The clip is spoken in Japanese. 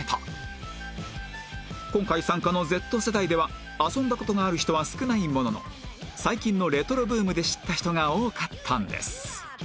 今回参加の Ｚ 世代では遊んだ事がある人は少ないものの最近のレトロブームで知った人が多かったんです